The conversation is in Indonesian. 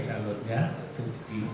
calonnya itu di